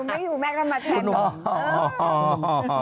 หนุ่มไม่อยู่อยู่แม่ก็มาแทนหนุ่ม